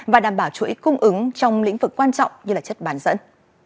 và đảm bảo chuỗi cung ứng trong lĩnh vực quan trọng như chất bán dẫn